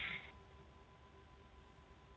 halo mbak citi